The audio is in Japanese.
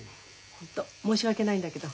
ホント申し訳ないんだけど。